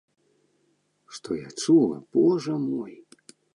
Што я чула, божа мой!